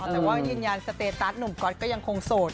ก็ยืนยันสเตตัสหนุ่มก็ยังคงโสด